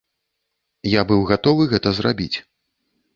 Я быў гатовы гэта зрабіць.